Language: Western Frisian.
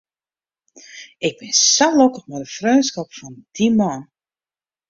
Ik bin sa lokkich mei de freonskip fan dy man.